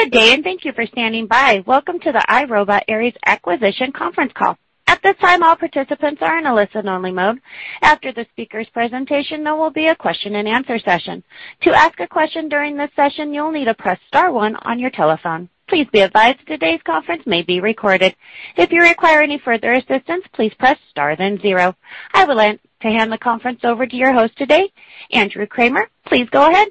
Good day, and thank you for standing by. Welcome to the iRobot-Aeris Acquisition conference call. At this time, all participants are in a listen-only mode. After the speaker's presentation, there will be a question-and-answer session. To ask a question during this session, you'll need to press star one on your telephone. Please be advised today's conference may be recorded. If you require any further assistance, please press star, then zero. I will then hand the conference over to your host today, Andrew Kramer. Please go ahead.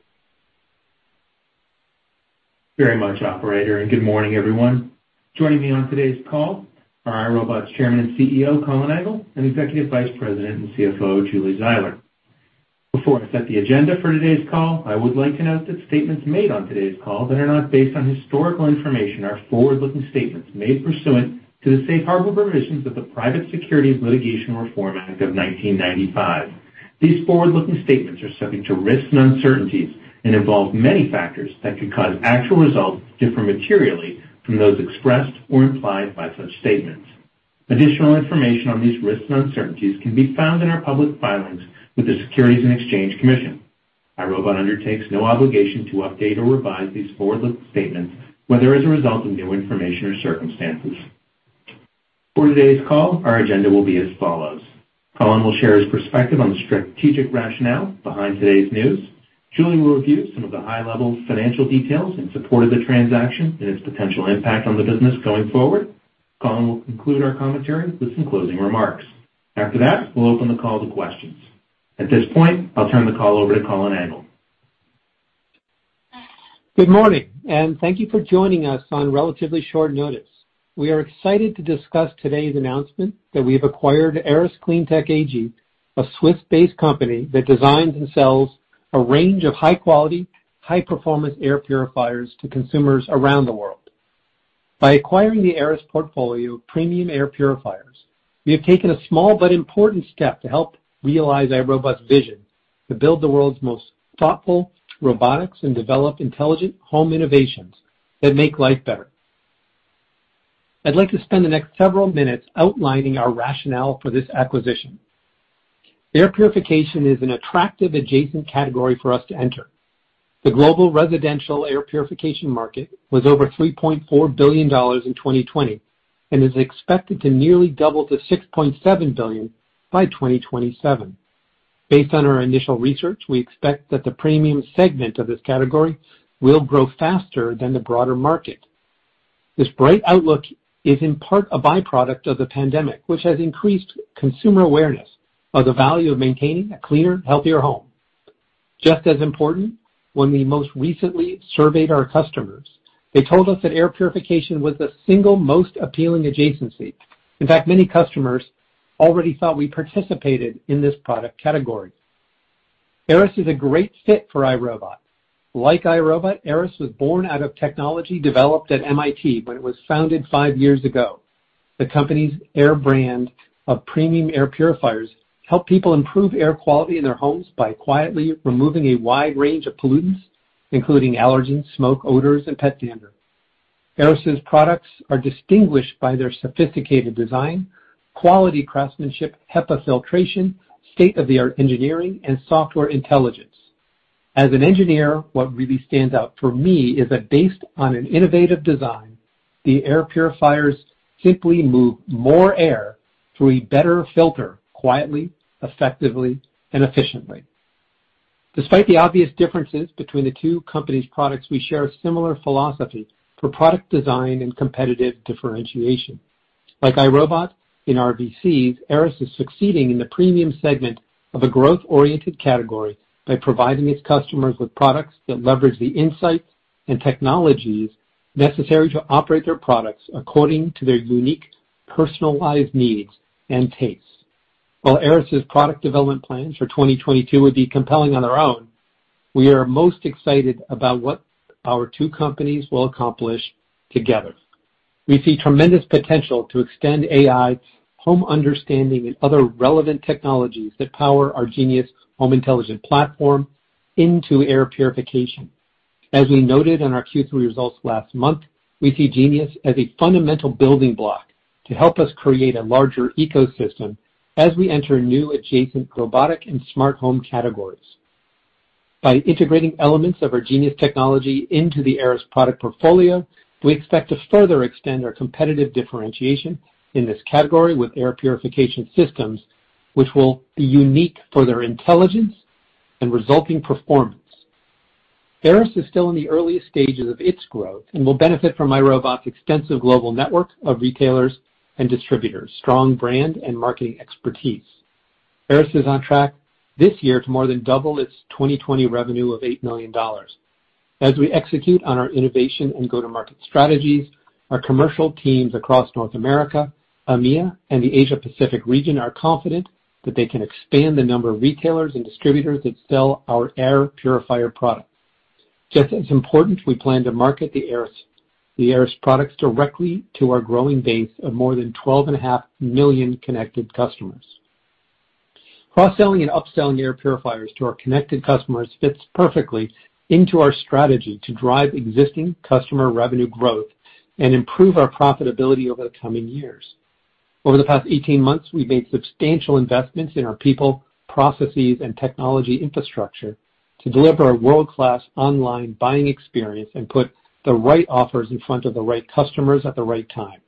Very much, operator, and good morning, everyone. Joining me on today's call are iRobot's Chairman and CEO, Colin Angle, and Executive Vice President and Chief Financial Officer, Julie Zeiler. Before I set the agenda for today's call, I would like to note that statements made on today's call that are not based on historical information are forward-looking statements made pursuant to the safe harbor provisions of the Private Securities Litigation Reform Act of 1995. These forward-looking statements are subject to risks and uncertainties and involve many factors that could cause actual results to differ materially from those expressed or implied by such statements. Additional information on these risks and uncertainties can be found in our public filings with the Securities and Exchange Commission. iRobot undertakes no obligation to update or revise these forward-looking statements, whether as a result of new information or circumstances. For today's call, our agenda will be as follows. Colin will share his perspective on the strategic rationale behind today's news. Julie will review some of the high-level financial details in support of the transaction and its potential impact on the business going forward. Colin will conclude our commentary with some closing remarks. After that, we'll open the call to questions. At this point, I'll turn the call over to Colin Angle. Good morning, and thank you for joining us on relatively short notice. We are excited to discuss today's announcement that we have acquired Aeris Cleantec AG, a Swiss-based company that designs and sells a range of high-quality, high-performance air purifiers to consumers around the world. By acquiring the Aeris portfolio of premium air purifiers, we have taken a small but important step to help realize iRobot's vision to build the world's most thoughtful robotics and develop intelligent home innovations that make life better. I'd like to spend the next several minutes outlining our rationale for this acquisition. Air purification is an attractive adjacent category for us to enter. The global residential air purification market was over $3.4 billion in 2020, and is expected to nearly double to $6.7 billion by 2027. Based on our initial research, we expect that the premium segment of this category will grow faster than the broader market. This bright outlook is in part a by-product of the pandemic, which has increased consumer awareness of the value of maintaining a cleaner, healthier home. Just as important, when we most recently surveyed our customers, they told us that air purification was the single most appealing adjacency. In fact, many customers already thought we participated in this product category. Aeris is a great fit for iRobot. Like iRobot, Aeris was born out of technology developed at MIT when it was founded five years ago. The company's air of premium air purifiers help people improve air quality in their homes by quietly removing a wide range of pollutants, including allergens, smoke, odors, and pet dander. Aeris's products are distinguished by their sophisticated design, quality craftsmanship, HEPA filtration, state-of-the-art engineering, and software intelligence. As an engineer, what really stands out for me is that based on an innovative design, the air purifiers simply move more air through a better filter quietly, effectively, and efficiently. Despite the obvious differences between the two companies' products, we share a similar philosophy for product design and competitive differentiation. Like iRobot, in RVC, Aeris is succeeding in the premium segment of a growth-oriented category by providing its customers with products that leverage the insights and technologies necessary to operate their products according to their unique, personalized needs and tastes. While Aeris's product development plans for 2022 would be compelling on their own, we are most excited about what our two companies will accomplish together. We see tremendous potential to extend AI home understanding and other relevant technologies that power our Genius Home Intelligence platform into air purification. As we noted in our Q3 results last month, we see Genius as a fundamental building block to help us create a larger ecosystem as we enter new adjacent robotic and smart home categories. By integrating elements of our Genius technology into the Aeris product portfolio, we expect to further extend our competitive differentiation in this category with air purification systems, which will be unique for their intelligence and resulting performance. Aeris is still in the earliest stages of its growth and will benefit from iRobot's extensive global network of retailers and distributors, strong brand, and marketing expertise. Aeris is on track this year to more than double its 2020 revenue of $8 million. As we execute on our innovation and go-to-market strategies, our commercial teams across North America, EMEA, and the Asia Pacific region are confident that they can expand the number of retailers and distributors that sell our air purifier products. Just as important, we plan to market the Aeris, the Aeris products directly to our growing base of more than 12.5 million connected customers. Cross-selling and upselling air purifiers to our connected customers fits perfectly into our strategy to drive existing customer revenue growth and improve our profitability over the coming years. Over the past 18 months, we've made substantial investments in our people, processes, and technology infrastructure to deliver a world-class online buying experience and put the right offers in front of the right customers at the right time.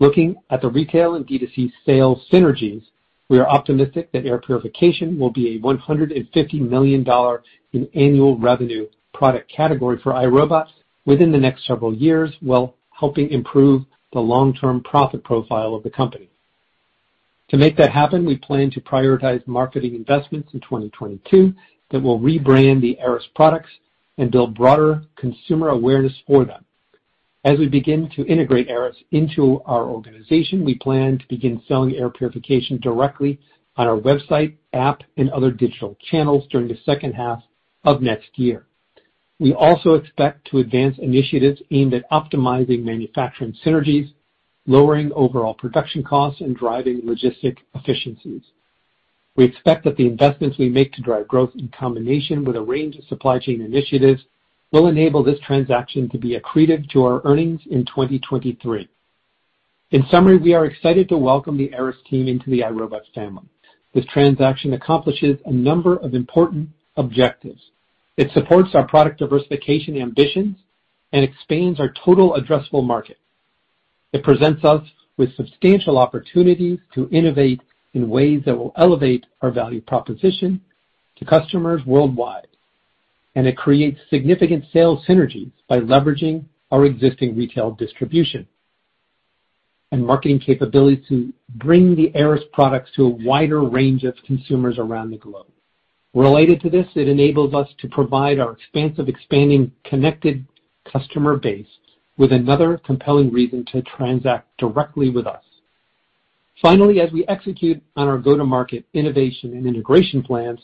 Looking at the retail and D2C sales synergies, we are optimistic that air purification will be a $150 million in annual revenue product category for iRobot within the next several years, while helping improve the long-term profit profile of the company. To make that happen, we plan to prioritize marketing investments in 2022 that will rebrand the Aeris products and build broader consumer awareness for them. As we begin to integrate Aeris into our organization, we plan to begin selling air purification directly on our website, app, and other digital channels during the second half of next year. We also expect to advance initiatives aimed at optimizing manufacturing synergies, lowering overall production costs, and driving logistic efficiencies. We expect that the investments we make to drive growth in combination with a range of supply chain initiatives will enable this transaction to be accretive to our earnings in 2023. In summary, we are excited to welcome the Aeris team into the iRobot family. This transaction accomplishes a number of important objectives. It supports our product diversification ambitions and expands our total addressable market. It presents us with substantial opportunities to innovate in ways that will elevate our value proposition to customers worldwide. It creates significant sales synergies by leveraging our existing retail distribution and marketing capability to bring the Aeris products to a wider range of consumers around the globe. Related to this, it enables us to provide our expansive, expanding connected customer base with another compelling reason to transact directly with us. Finally, as we execute on our go-to-market innovation and integration plans,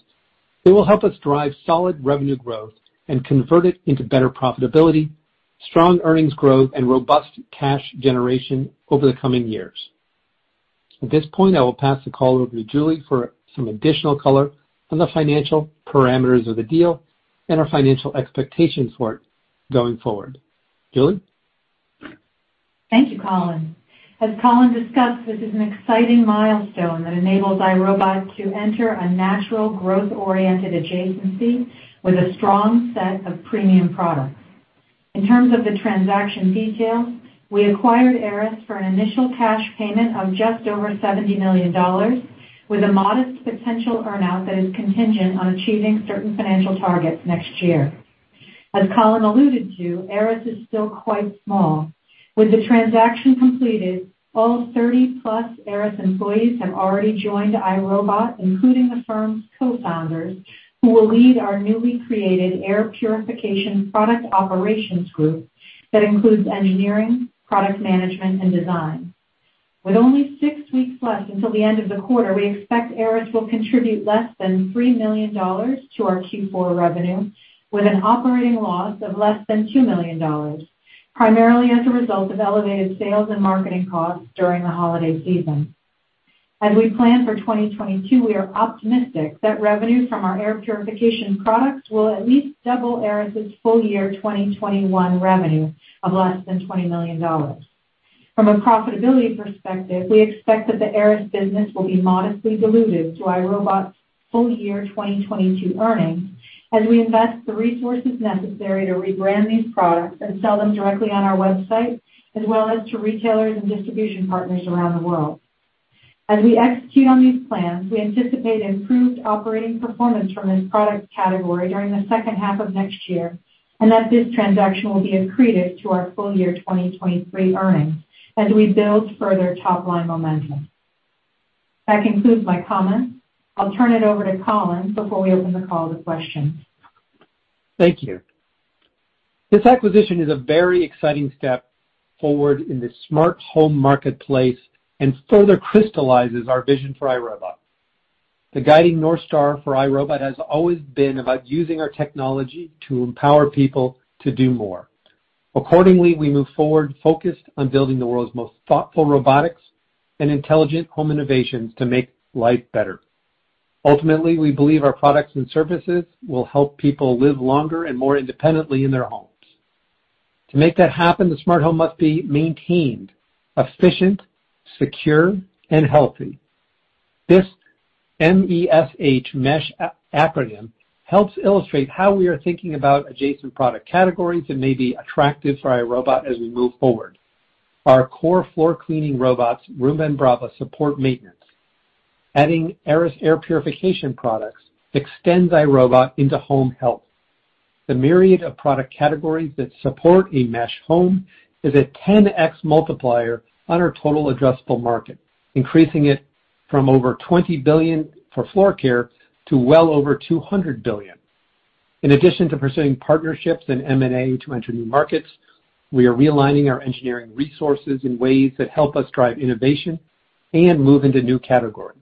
it will help us drive solid revenue growth and convert it into better profitability, strong earnings growth, and robust cash generation over the coming years. At this point, I will pass the call over to Julie for some additional color on the financial parameters of the deal and our financial expectations for it going forward. Julie? Thank you, Colin. As Colin discussed, this is an exciting milestone that enables iRobot to enter a natural growth-oriented adjacency with a strong set of premium products. In terms of the transaction details, we acquired Aeris for an initial cash payment of just over $70 million, with a modest potential earn-out that is contingent on achieving certain financial targets next year. As Colin alluded to, Aeris is still quite small. With the transaction completed, all 30-plus Aeris employees have already joined iRobot, including the firm's co-founders, who will lead our newly created air purification product operations group that includes engineering, product management, and design. With only six weeks left until the end of the quarter, we expect Aeris will contribute less than $3 million to our Q4 revenue, with an operating loss of less than $2 million, primarily as a result of elevated sales and marketing costs during the holiday season. As we plan for 2022, we are optimistic that revenue from our air purification products will at least double Aeris' full year 2021 revenue of less than $20 million. From a profitability perspective, we expect that the Aeris business will be modestly dilutive to iRobot's full year 2022 earnings as we invest the resources necessary to rebrand these products and sell them directly on our website, as well as to retailers and distribution partners around the world. As we execute on these plans, we anticipate improved operating performance from this product category during the second half of next year, and that this transaction will be accretive to our full year 2023 earnings as we build further top-line momentum. That concludes my comments. I'll turn it over to Colin before we open the call to questions. Thank you. This acquisition is a very exciting step forward in the smart home marketplace and further crystallizes our vision for iRobot. The guiding North Star for iRobot has always been about using our technology to empower people to do more. Accordingly, we move forward focused on building the world's most thoughtful robotics and intelligent home innovations to make life better. Ultimately, we believe our products and services will help people live longer and more independently in their homes. To make that happen, the smart home must be maintained, efficient, secure, and healthy. This MESH acronym helps illustrate how we are thinking about adjacent product categories that may be attractive for iRobot as we move forward. Our core floor cleaning robots, Roomba and Braava, support maintenance. Adding Aeris air purification products extends iRobot into home health. The myriad of product categories that support a MESH home is a 10x multiplier on our total addressable market, increasing it from over $20 billion for floor care to well over $200 billion. In addition to pursuing partnerships and M&A to enter new markets, we are realigning our engineering resources in ways that help us drive innovation and move into new categories.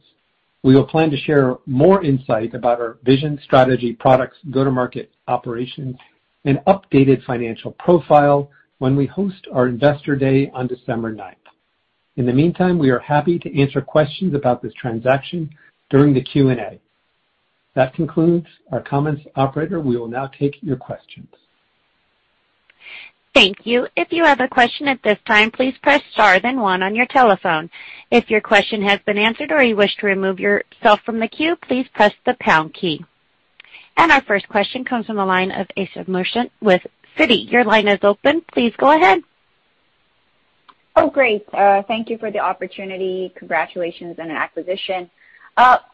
We will plan to share more insight about our vision, strategy, products, go-to-market operations, and updated financial profile when we host our Investor Day on December ninth. In the meantime, we are happy to answer questions about this transaction during the Q&A. That concludes our comments. Operator, we will now take your questions. Thank you. Our first question comes from the line of Asiya Merchant with Citi. Your line is open. Please go ahead. Oh, great. Thank you for the opportunity. Congratulations on the acquisition.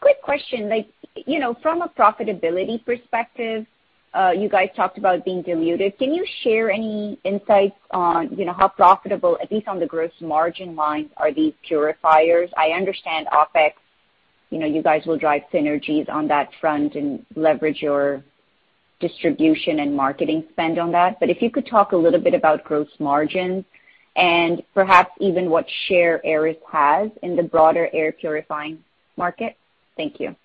Quick question. Like, you know, from a profitability perspective, you guys talked about being diluted. Can you share any insights on, you know, how profitable, at least on the gross margin lines, are these purifiers? I understand OpEx, you know, you guys will drive synergies on that front and leverage your distribution and marketing spend on that. If you could talk a little bit about gross margins and perhaps even what share Aeris has in the broader air purifying market. Thank you.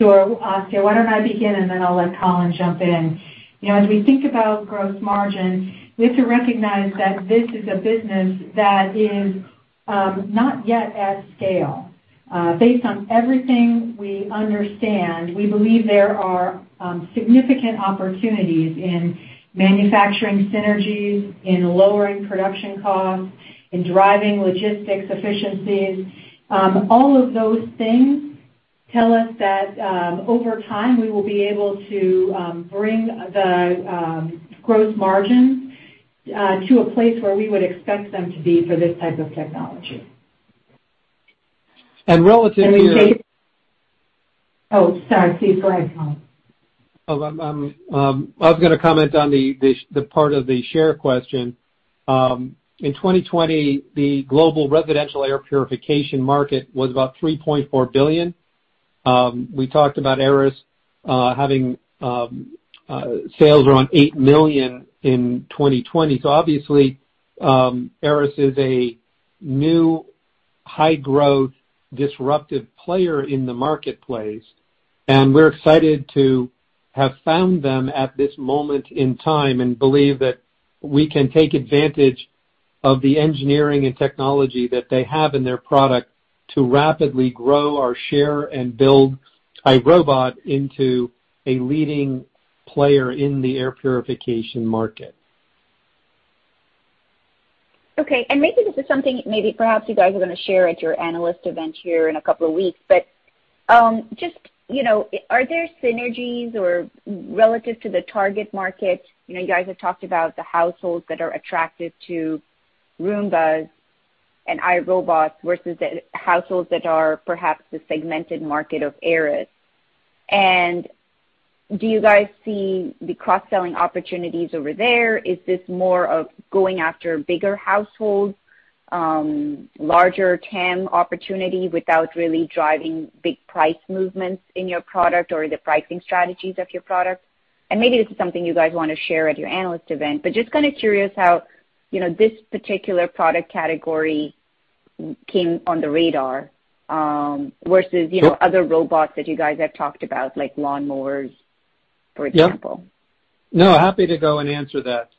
Sure, Asiya. Why don't I begin, and then I'll let Colin jump in. You know, as we think about gross margin, we have to recognize that this is a business that is not yet at scale. Based on everything we understand, we believe there are significant opportunities in manufacturing synergies, in lowering production costs, in driving logistics efficiencies. All of those things tell us that over time, we will be able to bring the gross margin to a place where we would expect them to be for this type of technology. Relative to your Oh, sorry. Please go ahead, Colin. I was gonna comment on the part of the share question. In 2020, the global residential air purification market was about $3.4 billion. We talked about Aeris having sales around $8 million in 2020. Obviously, Aeris is a new high-growth disruptive player in the marketplace, and we're excited to have found them at this moment in time and believe that we can take advantage of the engineering and technology that they have in their product to rapidly grow our share and build iRobot into a leading player in the air purification market. Okay. Maybe this is something perhaps you guys are gonna share at your analyst event here in a couple of weeks, but just, you know, are there synergies or relative to the target market, you know, you guys have talked about the households that are attracted to Roombas and iRobots versus the households that are perhaps the segmented market of Aeris. Do you guys see the cross-selling opportunities over there? Is this more of going after bigger households, larger TAM opportunity without really driving big price movements in your product or the pricing strategies of your product? Maybe this is something you guys wanna share at your analyst event, but just kinda curious how, you know, this particular product category came on the radar, versus, you know, other robots that you guys have talked about, like lawnmowers, for example. Yeah. No, happy to go and answer that.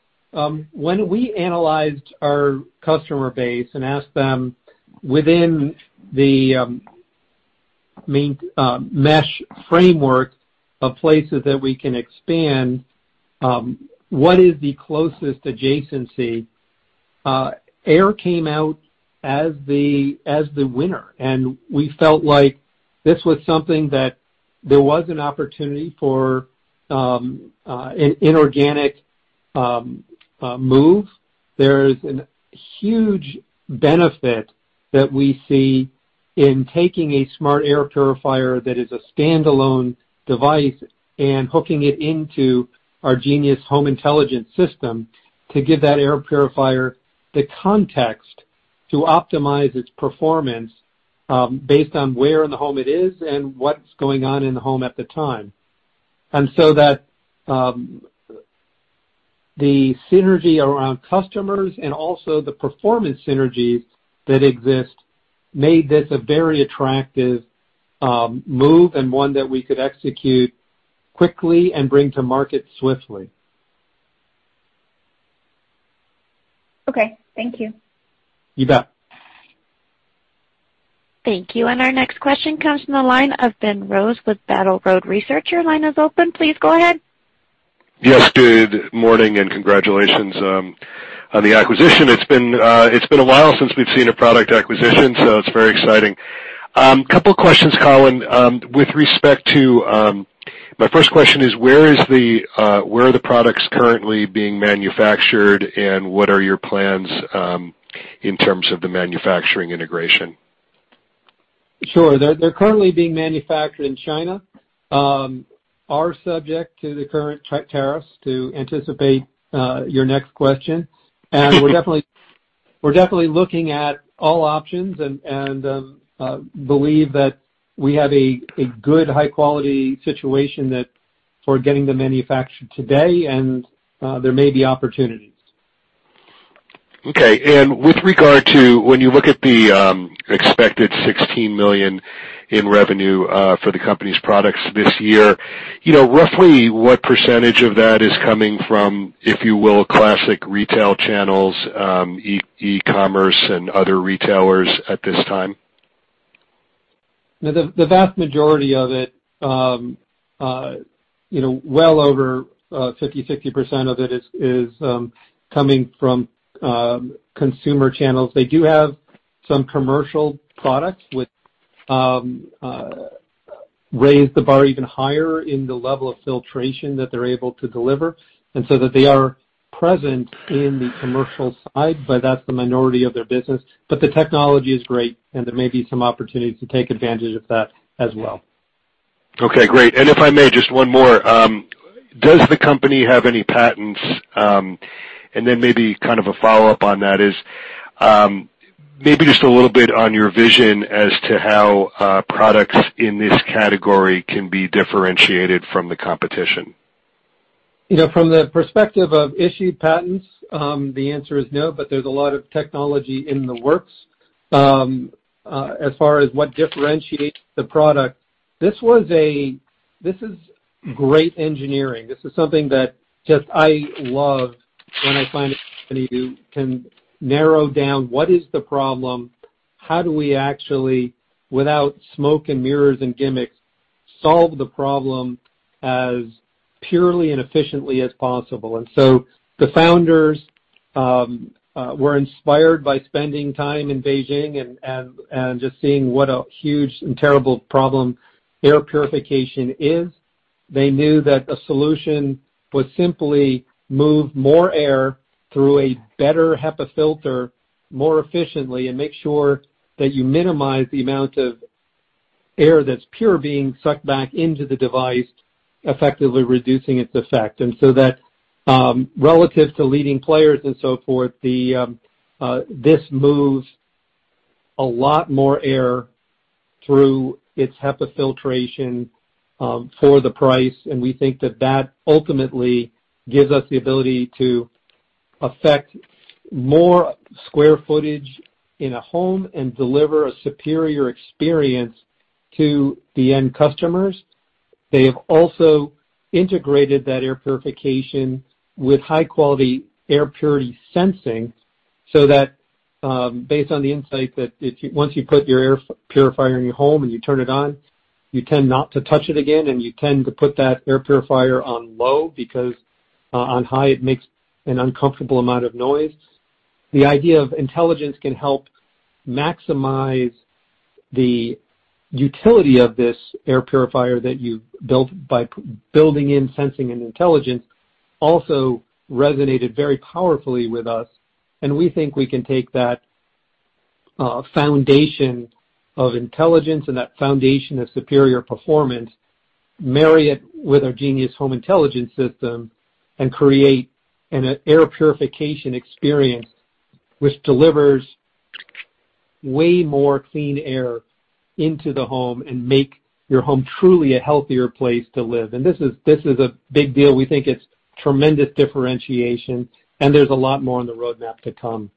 When we analyzed our customer base and asked them within the main MESH framework of places that we can expand, what is the closest adjacency, air came out as the winner. We felt like this was something that there was an opportunity for an inorganic move. There's a huge benefit that we see in taking a smart air purifier that is a standalone device and hooking it into our Genius Home Intelligence system to give that air purifier the context to optimize its performance, based on where in the home it is and what's going on in the home at the time. that the synergy around customers and also the performance synergies that exist made this a very attractive move and one that we could execute quickly and bring to market swiftly. Okay. Thank you. You bet. Thank you. Our next question comes from the line of Ben Rose with Battle Road Research. Your line is open. Please go ahead. Yes, good morning and congratulations on the acquisition. It's been a while since we've seen a product acquisition, so it's very exciting. Couple of questions, Colin. With respect to my first question is, where are the products currently being manufactured and what are your plans in terms of the manufacturing integration? Sure. They're currently being manufactured in China, are subject to the current tariffs to anticipate your next question. We're definitely looking at all options and believe that we have a good high-quality situation that we're getting them manufactured today and there may be opportunities. Okay. With regard to when you look at the expected $16 million in revenue for the company's products this year, you know, roughly what percentage of that is coming from, if you will, classic retail channels, e-commerce and other retailers at this time? The vast majority of it, you know, well over 50% of it is coming from consumer channels. They do have some commercial products which raise the bar even higher in the level of filtration that they're able to deliver that they are present in the commercial side, but that's the minority of their business. The technology is great, and there may be some opportunities to take advantage of that as well. Okay, great. If I may, just one more. Does the company have any patents, and then maybe kind of a follow-up on that is, maybe just a little bit on your vision as to how, products in this category can be differentiated from the competition? You know, from the perspective of issued patents, the answer is no, but there's a lot of technology in the works. As far as what differentiates the product, this is great engineering. This is something that just I love when I find a company who can narrow down what is the problem, how do we actually, without smoke and mirrors and gimmicks, solve the problem as purely and efficiently as possible. The founders were inspired by spending time in Beijing and just seeing what a huge and terrible problem air purification is. They knew that a solution would simply move more air through a better HEPA filter more efficiently and make sure that you minimize the amount of air that's impure being sucked back into the device, effectively reducing its effect. That, relative to leading players and so forth, this moves a lot more air through its HEPA filtration, for the price, and we think that ultimately gives us the ability to affect more square footage in a home and deliver a superior experience to the end customers. They have also integrated that air purification with high-quality air purity sensing so that, based on the insight that once you put your air purifier in your home and you turn it on, you tend not to touch it again, and you tend to put that air purifier on low because, on high it makes an uncomfortable amount of noise. The idea of intelligence can help maximize the utility of this air purifier that you built by building in sensing and intelligence also resonated very powerfully with us, and we think we can take that foundation of intelligence and that foundation of superior performance, marry it with our Genius Home Intelligence system, and create an air purification experience which delivers way more clean air into the home and make your home truly a healthier place to live. This is a big deal. We think it's tremendous differentiation and there's a lot more on the roadmap to come.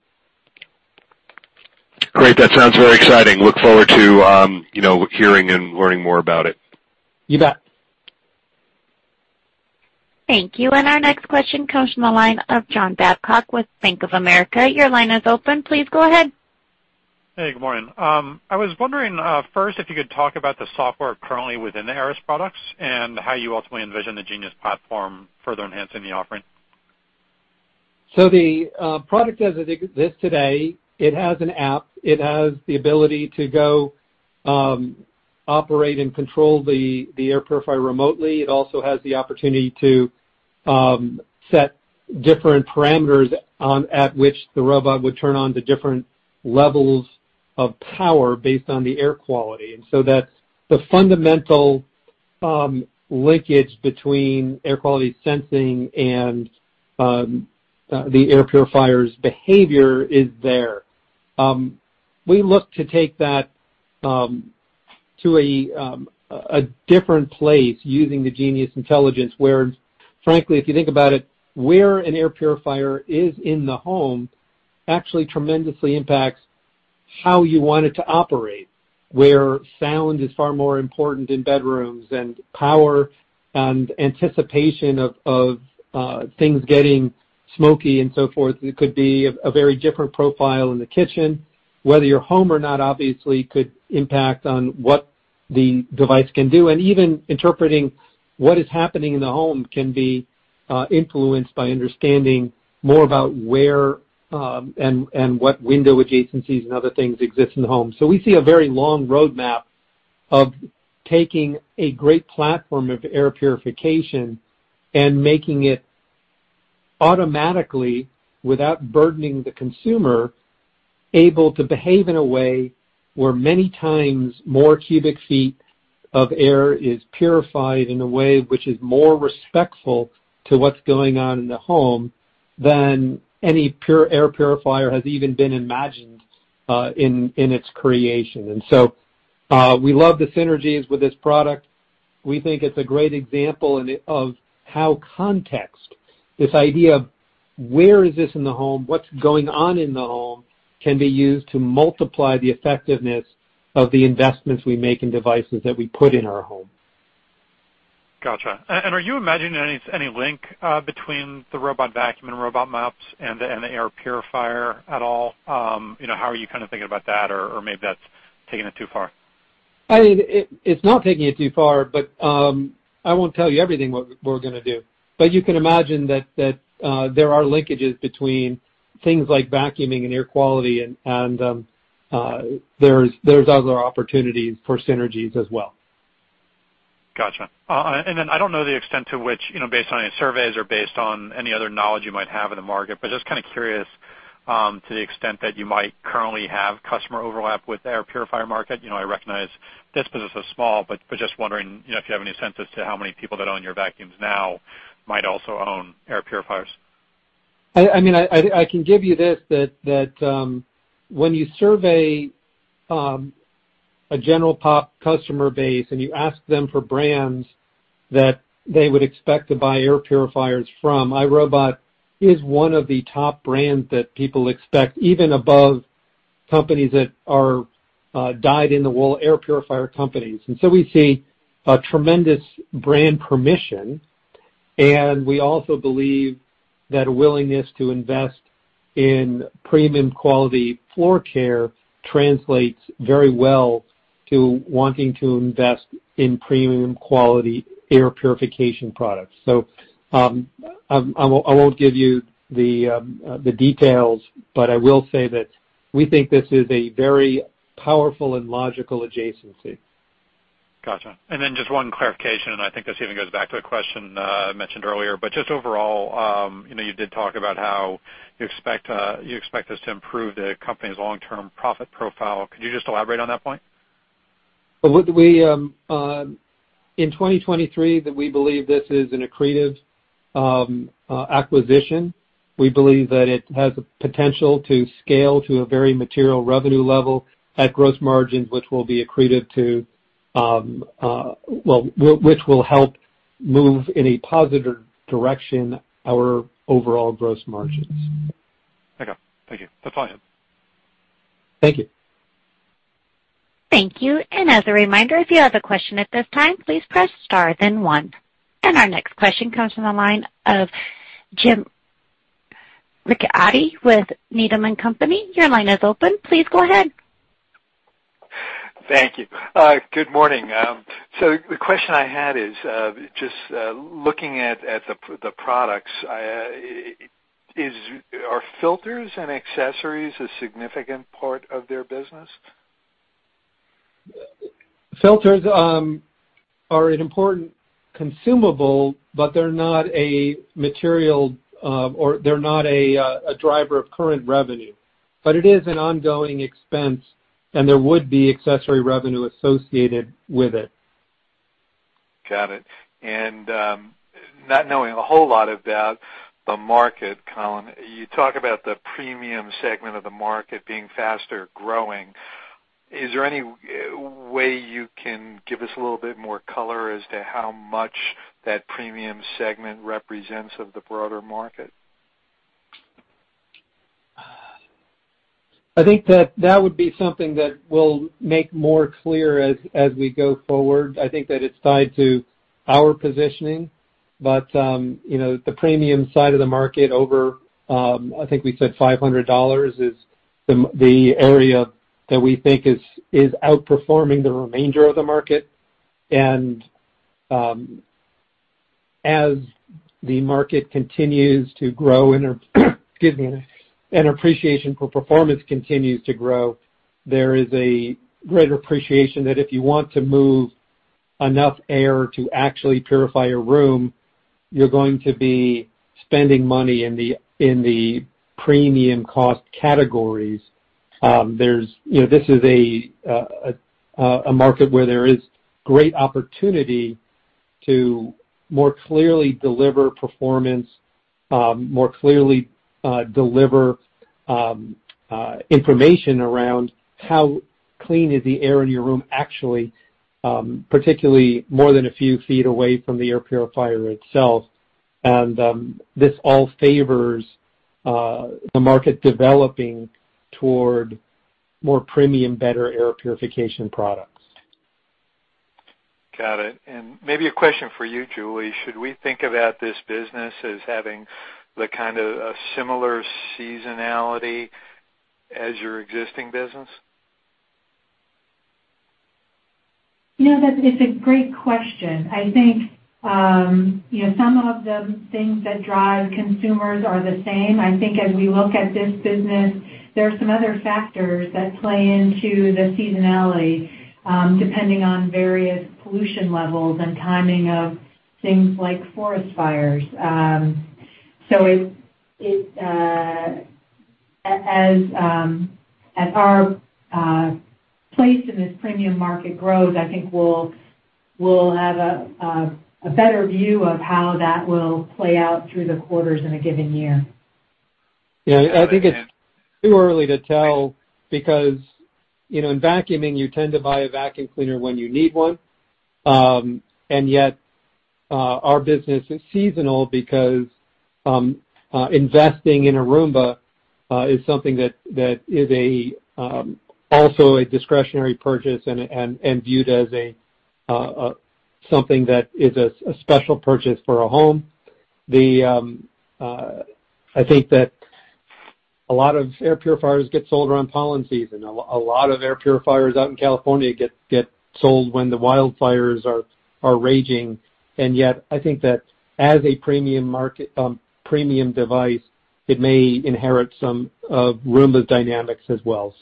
Great. That sounds very exciting. Look forward to, you know, hearing and learning more about it. You bet. Thank you. Our next question comes from the line of John Babcock with Bank of America. Your line is open. Please go ahead. Hey, good morning. I was wondering, first if you could talk about the software currently within the Aeris products and how you ultimately envision the Genius platform further enhancing the offering? The product as it exists today, it has an app. It has the ability to go operate and control the air purifier remotely. It also has the opportunity to set different parameters on at which the robot would turn on to different levels of power based on the air quality. That's the fundamental linkage between air quality sensing and the air purifier's behavior is there. We look to take that to a different place using the Genius intelligence, where frankly, if you think about it, where an air purifier is in the home actually tremendously impacts how you want it to operate. Where sound is far more important in bedrooms and power and anticipation of things getting smoky and so forth, it could be a very different profile in the kitchen. Whether you're home or not obviously could impact on what the device can do. Even interpreting what is happening in the home can be influenced by understanding more about where and what window adjacencies and other things exist in the home. We see a very long roadmap of taking a great platform of air purification and making it automatically, without burdening the consumer, able to behave in a way where many times more cubic feet of air is purified in a way which is more respectful to what's going on in the home than any air purifier has even been imagined in its creation. We love the synergies with this product. We think it's a great example of how context, this idea of where is this in the home, what's going on in the home, can be used to multiply the effectiveness of the investments we make in devices that we put in our home. Gotcha. Are you imagining any link between the robot vacuum and robot mops and the air purifier at all? You know, how are you kinda thinking about that? Or maybe that's taking it too far. I mean, it's not taking it too far, but I won't tell you everything what we're gonna do. You can imagine that there are linkages between things like vacuuming and air quality and there's other opportunities for synergies as well. Gotcha. I don't know the extent to which, you know, based on any surveys or based on any other knowledge you might have in the market, but just kinda curious, to the extent that you might currently have customer overlap with air purifier market. You know, I recognize this business is small, but just wondering, you know, if you have any sense as to how many people that own your vacuums now might also own air purifiers. I mean, I can give you this, that when you survey a general pop customer base, and you ask them for brands that they would expect to buy air purifiers from, iRobot is one of the top brands that people expect, even above companies that are dyed in the wool air purifier companies. We see a tremendous brand permission, and we also believe that willingness to invest in premium quality floor care translates very well to wanting to invest in premium quality air purification products. I won't give you the details, but I will say that we think this is a very powerful and logical adjacency. Gotcha. Just one clarification, and I think this even goes back to a question I mentioned earlier, but just overall, you know, you did talk about how you expect this to improve the company's long-term profit profile. Could you just elaborate on that point? Well, we announced in 2023 that we believe this is an accretive acquisition. We believe that it has the potential to scale to a very material revenue level at gross margins, well, which will help move in a positive direction our overall gross margins. Okay. Thank you. That's all I have. Thank you. Thank you. As a reminder, if you have a question at this time, please press star then one. Our next question comes from the line of Jim Ricchiuti with Needham & Company. Your line is open. Please go ahead. Thank you. Good morning. The question I had is just looking at the products. Are filters and accessories a significant part of their business? Filters are an important consumable, but they're not a material, or they're not a driver of current revenue. It is an ongoing expense, and there would be accessory revenue associated with it. Got it. Not knowing a whole lot about the market, Colin, you talk about the premium segment of the market being faster growing. Is there any way you can give us a little bit more color as to how much that premium segment represents of the broader market? I think that would be something that we'll make more clear as we go forward. I think that it's tied to our positioning, but you know, the premium side of the market over $500 is the area that we think is outperforming the remainder of the market. As the market continues to grow and appreciation for performance continues to grow, there is a greater appreciation that if you want to move enough air to actually purify a room, you're going to be spending money in the premium cost categories. There's, you know, this is a market where there is great opportunity to more clearly deliver performance, more clearly deliver information around how clean is the air in your room, actually, particularly more than a few feet away from the air purifier itself. This all favors the market developing toward more premium, better air purification products. Got it. Maybe a question for you, Julie. Should we think about this business as having the kind of a similar seasonality as your existing business? You know, that's a great question. I think, you know, some of the things that drive consumers are the same. I think as we look at this business, there are some other factors that play into the seasonality, depending on various pollution levels and timing of things like forest fires. As our place in this premium market grows, I think we'll have a better view of how that will play out through the quarters in a given year. Yeah, I think it's too early to tell because, you know, in vacuuming, you tend to buy a vacuum cleaner when you need one. Yet, our business is seasonal because investing in a Roomba is something that is also a discretionary purchase and viewed as something that is a special purchase for a home. I think that a lot of air purifiers get sold around pollen season. A lot of air purifiers out in California get sold when the wildfires are raging. Yet, I think that as a premium market, premium device, it may inherit some of Roomba's dynamics as well.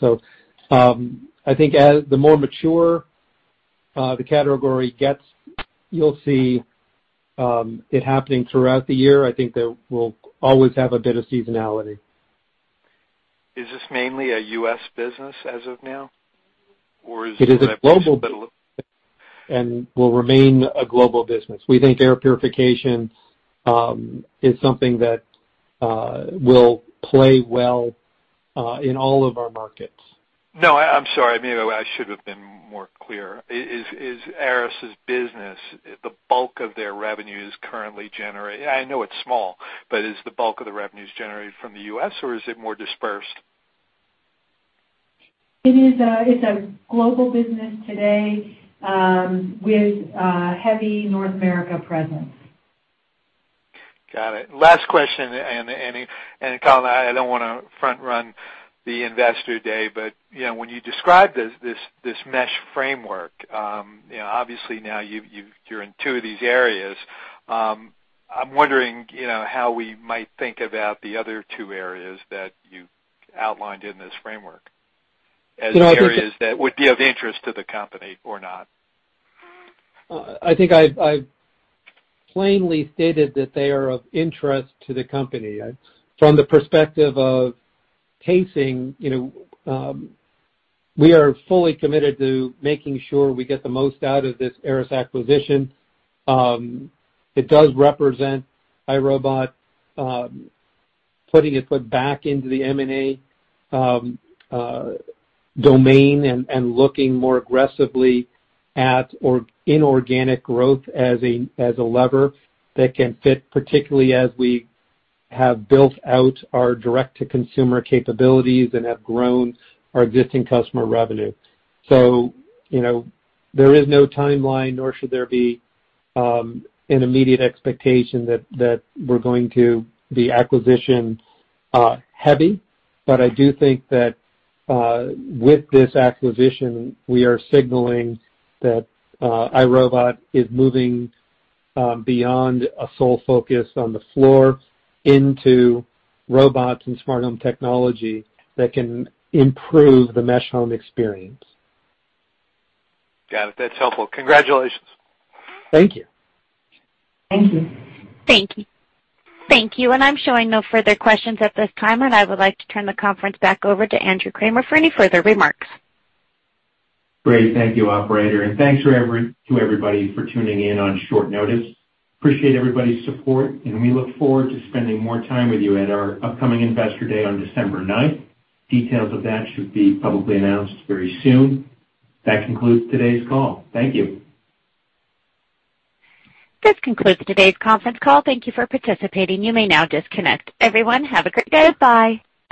I think as the more mature, the category gets, you'll see it happening throughout the year. I think that we'll always have a bit of seasonality. Is this mainly a U.S. business as of now, or is it? It is a global and will remain a global business. We think air purification is something that will play well in all of our markets. No, I'm sorry. Maybe I should have been more clear. I know it's small, but is the bulk of the revenues generated from the U.S. or is it more dispersed? It's a global business today with a heavy North America presence. Got it. Last question, and Colin, I don't wanna front-run the Investor Day, but, you know, when you describe this mesh framework, you know, obviously now you're in two of these areas. I'm wondering, you know, how we might think about the other two areas that you outlined in this framework as areas that would be of interest to the company or not. I think I've plainly stated that they are of interest to the company. From the perspective of pacing, you know, we are fully committed to making sure we get the most out of this Aeris acquisition. It does represent iRobot putting a foot back into the M&A domain and looking more aggressively at inorganic growth as a lever that can fit, particularly as we have built out our direct-to-consumer capabilities and have grown our existing customer revenue. You know, there is no timeline, nor should there be an immediate expectation that we're going to be acquisition heavy. I do think that with this acquisition, we are signaling that iRobot is moving beyond a sole focus on the floor into robots and smart home technology that can improve the mesh home experience. Got it. That's helpful. Congratulations. Thank you. Thank you. Thank you. Thank you, and I'm showing no further questions at this time, and I would like to turn the conference back over to Andrew Kramer for any further remarks. Great. Thank you, operator. Thanks to everybody for tuning in on short notice. Appreciate everybody's support, and we look forward to spending more time with you at our upcoming Investor Day on December ninth. Details of that should be publicly announced very soon. That concludes today's call. Thank you. This concludes today's conference call. Thank you for participating. You may now disconnect. Everyone, have a great day. Goodbye.